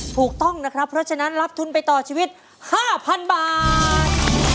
ถูกต้องนะครับเพราะฉะนั้นรับทุนไปต่อชีวิต๕๐๐๐บาท